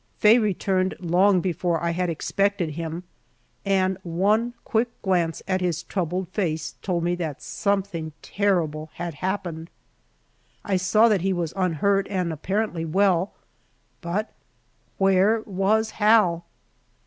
Faye returned long before I had expected him, and one quick glance at his troubled face told me that something terrible had happened. I saw that he was unhurt and apparently well, but where was Hal?